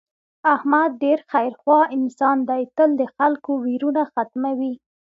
احمد ډېر خیر خوا انسان دی تل د خلکو ویرونه ختموي.